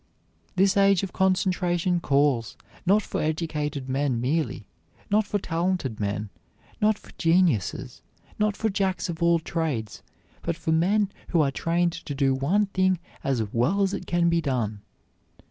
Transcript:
This age of concentration calls, not for educated men merely, not for talented men, not for geniuses, not for jacks of all trades, but for men who are trained to do one thing as well as it can be done.